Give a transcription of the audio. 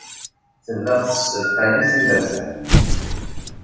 Tellamt tessalqayemt imerjan-nni.